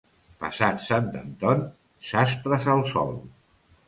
Passat Sant Anton, sastres al sol.